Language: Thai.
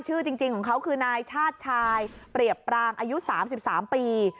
ชื่อจริงของเขาคือนายชาติชายเปรียบปรางอายุ๓๓ปี